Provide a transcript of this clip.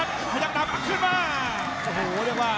พญักดำขึ้นมา